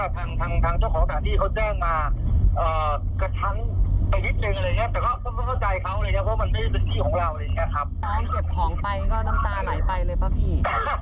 ดังตามาตกได้เพราะว่ามันผูกกันกับร้านเดี๋ยวทองมา๒๐ปี